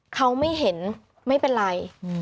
เขาไม่เห็นไม่เป็นไร